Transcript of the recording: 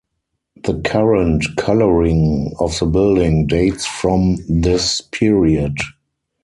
The current coloring of the building dates from this period.